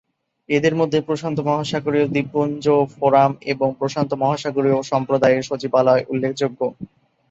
এদের মধ্যে প্রশান্ত মহাসাগরীয় দ্বীপপুঞ্জ ফোরাম এবং প্রশান্ত মহাসাগরীয় সম্প্রদায়ের সচিবালয় উল্লেখযোগ্য।